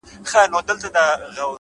علم د عقل غذا ده’